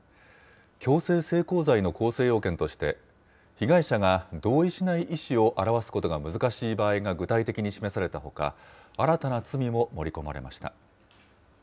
強制性交罪の構成要件として、被害者が同意しない意思を表すことが難しい場合が具体的に示されたほか、新たな罪も盛り込まれました。